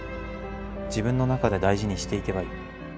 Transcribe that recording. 自分の中で大事にしていけばいい。